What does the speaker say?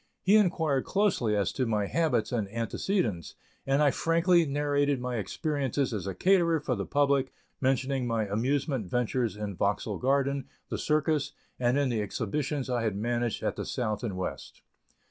He inquired closely as to my habits and antecedents, and I frankly narrated my experiences as a caterer for the public, mentioning my amusement ventures in Vauxhall Garden, the circus, and in the exhibitions I had managed at the South and West.